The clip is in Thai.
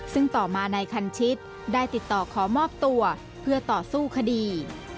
ซึ่งต่อมานายคันชิตได้ติดต่อขอมอบตัวเพื่อต่อสู้คดี